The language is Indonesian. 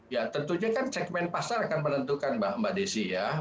ya tentunya kan segmen pasar akan menentukan mbak desi ya